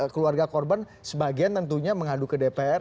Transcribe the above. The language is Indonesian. keluarga korban sebagian tentunya mengadu ke dpr